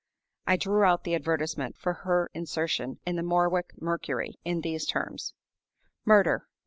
I drew out the advertisement, for insertion in the Morwick Mercury, in these terms: MURDER.